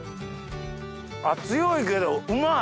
あっ強いけどうまい！